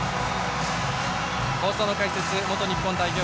放送の解説元日本代表